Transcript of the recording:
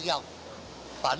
ini yang penting